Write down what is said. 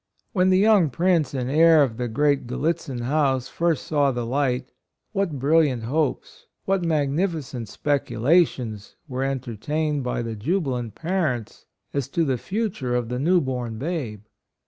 When the young prince and heir of the great Gallitzin house first saw the light, what brilliant hopes, what magnificent speculations were entertained by the jubilant parents as to the future of the new born babe!